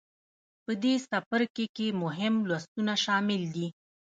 په دې څپرکې کې مهم لوستونه شامل دي.